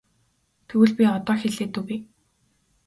Тэгвэл би одоо хэлээд өгье.